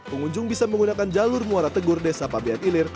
pengunjung bisa menggunakan jalur muara tegur desa pabian ilir